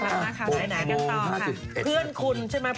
เพื่อนคุณใช่ไหม